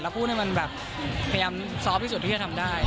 พูดให้มันแบบพยายามซอฟต์ที่สุดที่จะทำได้